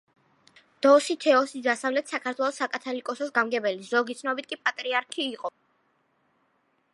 დოსითეოსი დასავლეთ საქართველოს საკათალიკოსოს გამგებელი, ზოგი ცნობით კი პატრიარქი იყო.